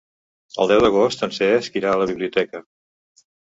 El deu d'agost en Cesc irà a la biblioteca.